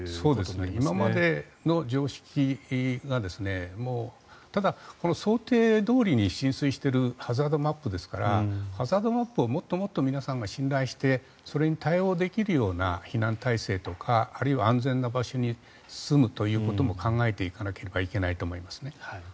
今までの常識がもうこの想定どおりに浸水しているハザードマップですからハザードマップをもっと皆さんが信頼してそれに対応できるような避難体制とかあるいは安全な場所に住むということも考えていかなければいけないと思いますね。